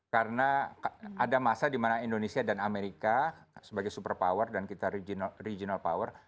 karena ada masa dimana indonesia dan amerika sebagai super power dan kita regional power